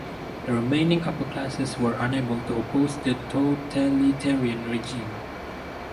The remaining upper classes were unable to oppose the totalitarian regime.